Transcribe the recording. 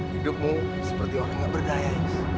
hidupmu seperti orang yang berdaya